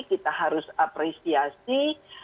kita harus apresiasi